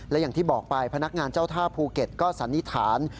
และอย่างที่บอกไปพนักงานเจ้าท่าภูเก็ตก็สันนิษฐาน